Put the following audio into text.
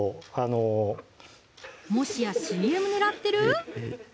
もしやＣＭ狙ってる？